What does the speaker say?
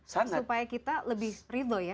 supaya kita lebih ridon